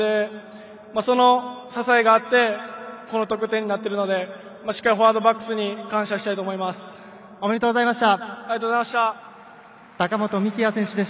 その支えがあってこの得点になっているのでしっかり、フォワードバックスに感謝したいと思います。